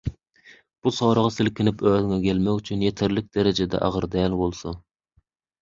Bu sorag silkinip özüňe gelmek üçin ýeterlik derejede agyr däl bolsa